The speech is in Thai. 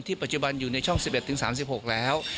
ที่ปัจจุบันอยู่ในช่อง๑๑๓๖แล้ว